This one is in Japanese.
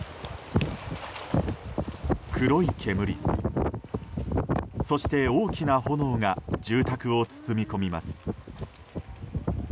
黒い煙、そして大きな炎が住宅を包み込みます。